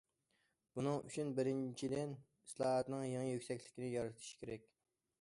بۇنىڭ ئۈچۈن بىرىنچىدىن، ئىسلاھاتنىڭ يېڭى يۈكسەكلىكىنى يارىتىش كېرەك.